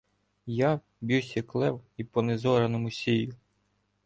Я б’юсь як лев і по незораному сію.